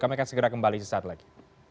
kami akan segera kembali sesaat lagi